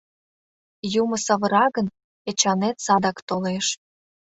Юмо савыра гын, Эчанет садак толеш.